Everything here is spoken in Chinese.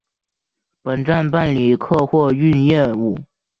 本站办理客货运业务。